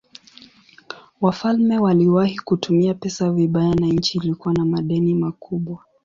Wafalme waliwahi kutumia pesa vibaya na nchi ilikuwa na madeni makubwa.